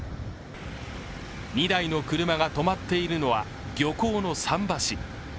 ２台の車がとまっているのは漁港の桟橋。